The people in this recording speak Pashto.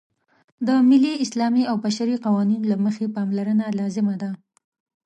د ملي، اسلامي او بشري قوانینو له مخې پاملرنه لازمه ده.